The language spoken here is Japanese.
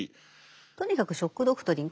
とにかく「ショック・ドクトリン」